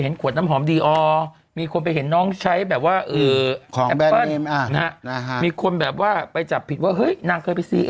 อันนี้เงินแบบว่าแค่๖๓บาทเอง